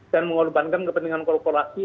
dan mengorbankan kepentingan kolporasi